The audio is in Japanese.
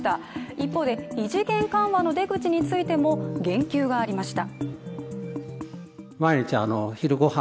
一方で異次元緩和の出口についても言及がありました。